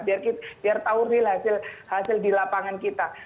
biar tahu real hasil di lapangan kita